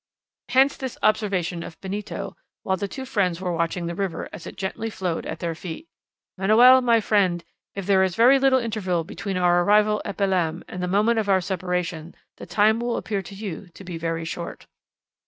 Hence this observation of Benito, while the two friends were watching the river as it gently flowed at their feet: "Manoel, my friend, if there is very little interval between our arrival at Belem and the moment of our separation, the time will appear to you to be very short."